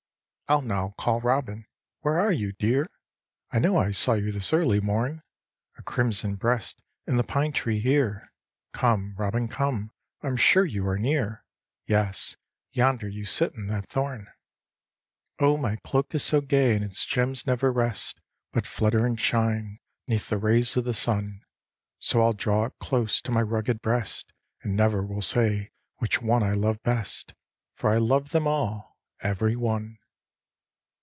I'll now call Robin. Where are you, dear? I know I saw you this early morn, A crimson breast in the pine tree here. Come, Robin, come! I'm sure you are near; Yes, yonder you sit in that thorn. Oh my cloak is so gay and its gems never rest, But flutter and shine, 'neath the rays of the sun; So I'll draw it close to my rugged breast, And never will say which one I love best— For I love them all—every one.